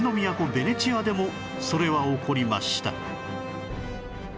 ベネチアでもそれは起こりました